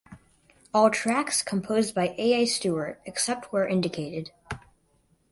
All tracks composed by Al Stewart, except where indicated.